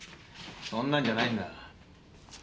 そんなんじゃないんだ。